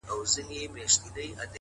څوک انتظار کړي؛ ستا د حُسن تر لمبې پوري؛